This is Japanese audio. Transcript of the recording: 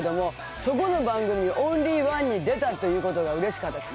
そこの番組にオンリーワンで出たということがうれしかったです。